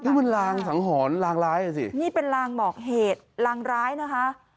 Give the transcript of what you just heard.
นี่มันลางสังหรณ์ลางร้ายอ่ะสินี่เป็นลางบอกเหตุลางร้ายนะคะ